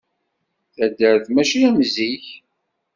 Taddart mačči am zik.